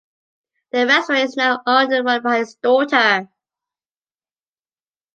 The restaurant is now owned and run by his daughter.